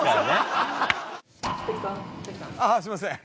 あっすいません！